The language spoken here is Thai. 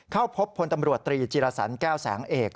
เข้าพบพลตำรวจตรีจิรสันแก้วแสงเอก